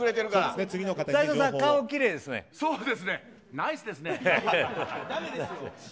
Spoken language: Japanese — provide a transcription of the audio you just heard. ナイスですね！